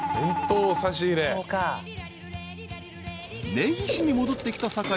［根岸に戻ってきた坂井。